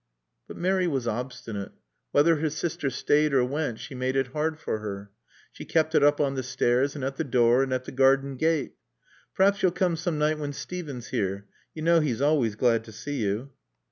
But Mary was obstinate. Whether her sister stayed or went she made it hard for her. She kept it up on the stairs and at the door and at the garden gate. "Perhaps you'll come some night when Steven's here. You know he's always glad to see you."